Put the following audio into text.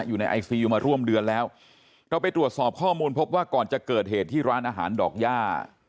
อยู่ในไอซียูมาร่วมเดือนแล้วเราไปตรวจสอบข้อมูลพบว่าก่อนจะเกิดเหตุที่ร้านอาหารดอกย่า